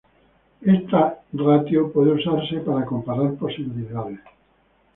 Esta ratio puede usarse para comparar posibilidades.